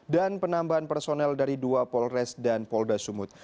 penambahan personel dari dua polres dan polda sumut